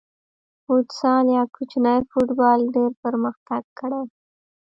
فوسال یا کوچنی فوټبال ډېر پرمختګ کړی.